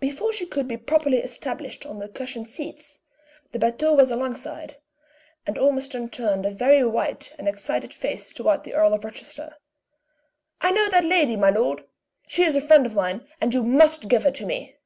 Before she could be properly established on the cushioned seats, the batteau was alongside, and Ormiston turned a very white and excited face toward the Earl of Rochester. "I know that lady, my lord! She is a friend of mine, and you must give her to me!"